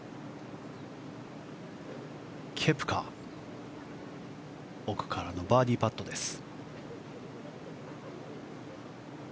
ケプカ奥からのバーディーパットです。